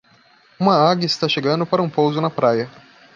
Uma águia está chegando para um pouso na praia.